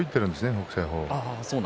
北青鵬。